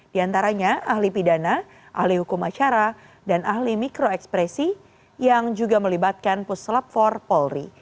di antaranya ahli pidana ahli hukum acara dan ahli mikro ekspresi yang juga melibatkan puslap empat polri